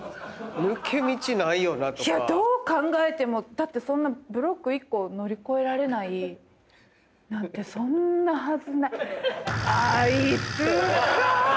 だってそんなブロック１個乗り越えられないなんてそんなはずない。